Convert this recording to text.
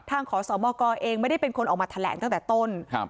ขอสมกเองไม่ได้เป็นคนออกมาแถลงตั้งแต่ต้นครับ